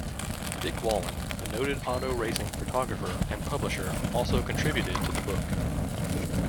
Dick Wallen, a noted auto racing photographer and publisher, also contributed to the book.